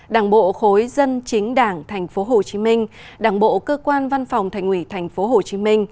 đảng bộ khối dân chính đảng tp hcm đảng bộ cơ quan văn phòng thành ủy tp hcm